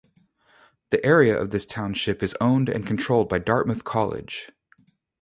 The area of this township is owned and controlled by Dartmouth College.